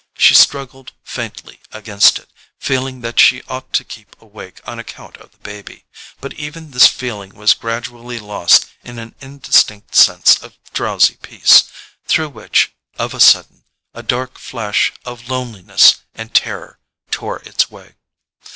She struggled faintly against it, feeling that she ought to keep awake on account of the baby; but even this feeling was gradually lost in an indistinct sense of drowsy peace, through which, of a sudden, a dark flash of loneliness and terror tore its way.